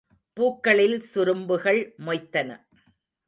பூக்களில் சுரும்புகள் மொய்த்தன.